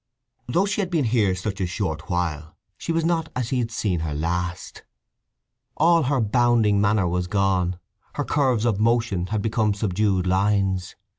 Though she had been here such a short while, she was not as he had seen her last. All her bounding manner was gone; her curves of motion had become subdued lines.